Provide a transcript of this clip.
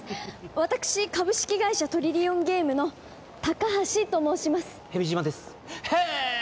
私株式会社トリリオンゲームの高橋と申します蛇島ですへえ